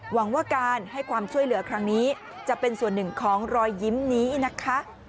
หวังว่าการให้ความช่วยเหลือครั้งนี้จะเป็นส่วนหนึ่งของรอยยิ้มนี้นะคะ